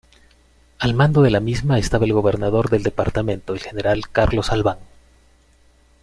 Al mando de la misma estaba el gobernador del departamento, el general Carlos Albán.